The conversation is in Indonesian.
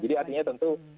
jadi artinya tentu